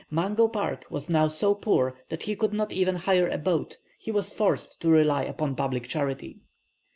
Mungo Park was now so poor that he could not even hire a boat; he was forced to rely upon public charity.